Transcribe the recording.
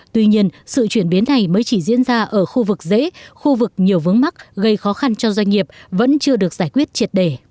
tuy nhiên sự chuyển biến này mới chỉ diễn ra ở khu vực dễ khu vực nhiều vướng mắt gây khó khăn cho doanh nghiệp vẫn chưa được giải quyết triệt đề